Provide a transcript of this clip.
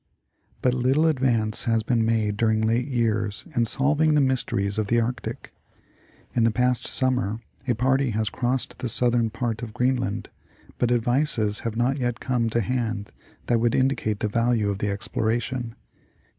But little advance has been made during late years in solving the mysteries of the Arctic. In the past summer a party has crossed the southern part of Greenland, but advices have not yet come to hand that would indicate the value of the exploration.